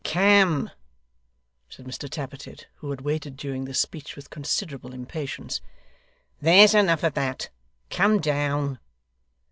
'Come!' said Mr Tappertit, who had waited during this speech with considerable impatience. 'There's enough of that. Come down.